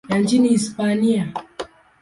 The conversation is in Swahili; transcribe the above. ya nchini Hispania.